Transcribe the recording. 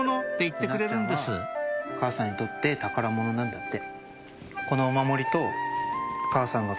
っちゃんはお母さんにとって宝物なんだって。